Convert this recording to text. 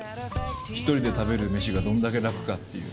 １人で食べる飯がどんだけ楽かっていう。